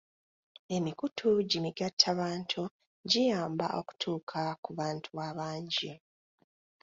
Emikutu gi mugattabantu giyamba okutuuka ku bantu abangi.